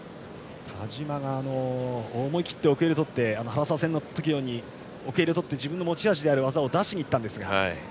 田嶋が思い切って奥襟を取って原沢戦の時のように奥襟を取って自分の持ち味である技を出しにいったんですが。